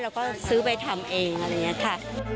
เราก็ซื้อไปทำเองอะไรอย่างนี้ค่ะ